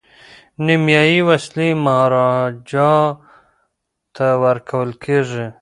نیمایي وسلې مهاراجا ته ورکول کیږي.